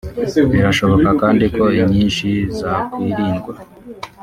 birashoboka kandi ko inyinshi zakwirindwa